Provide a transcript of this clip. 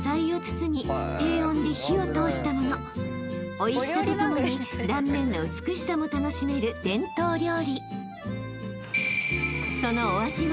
［おいしさとともに断面の美しさも楽しめる伝統料理］